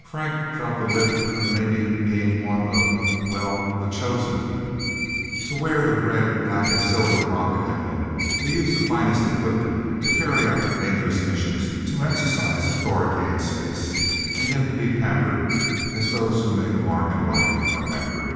Frank felt the lift of maybe being one of well the Chosen. To wear the red, black and silver rocket emblem, to use the finest equipment, to carry out dangerous missions, to exercise authority in space, and yet to be pampered, as those who make a mark in life are pampered.